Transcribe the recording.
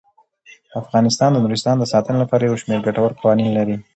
افغانستان د نورستان د ساتنې لپاره یو شمیر ګټور قوانین لري.